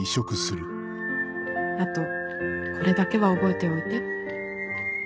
あとこれだけは覚えておいて。